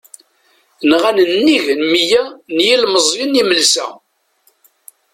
Nɣan nnig n miyya n yilmeẓyen imelsa.